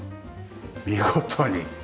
見事に。